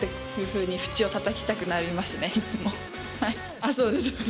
あっそうです。